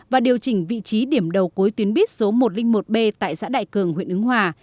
và điều chỉnh vị trí điểm đầu cuối tuyến buýt số một trăm linh một b tại xã đại cường huyện ứng hòa